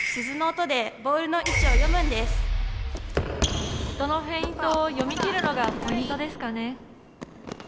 音のフェイントを読み切るのがポイントですかね。